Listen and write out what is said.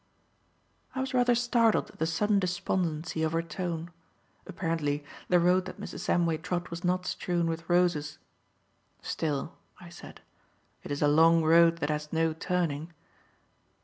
I was rather startled at the sudden despondency of her tone. Apparently the road that Mrs. Samway trod was not strewn with roses. "Still," I said, "it is a long road that has no turning."